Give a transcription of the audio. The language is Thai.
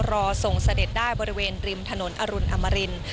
รอส่งเสด็จได้บริเวณริมถนนอรุณอมริน